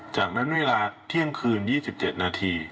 จากนั้นเวลาเที่ยงคืน๒๗นาที